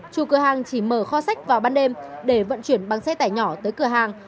chủ cửa hàng chỉ mở kho sách vào ban đêm để vận chuyển bằng xe tải nhỏ tới cửa hàng